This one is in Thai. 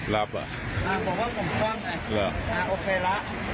ละโอเคละ